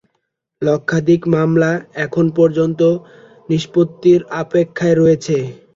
লক্ষাধিক মামলা এখন পর্যন্ত নিষ্পত্তির অপেক্ষায় রয়েছে।